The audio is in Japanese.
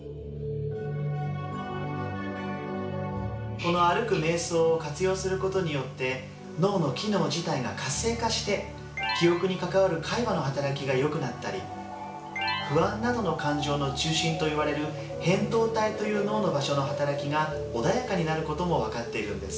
この歩くめい想を活用することによって脳の機能自体が活性化して記憶に関わる海馬の働きがよくなったり不安などの感情の中心といわれる扁桃体という脳の場所の働きが穏やかになることも分かっているんです。